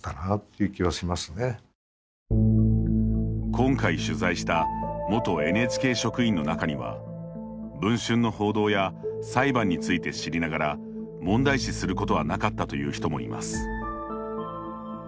今回取材した元ＮＨＫ職員の中には文春の報道や裁判について知りながら問題視することはなかったという人もいます。